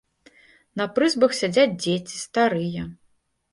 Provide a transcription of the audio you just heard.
На прызбах сядзяць дзеці, старыя.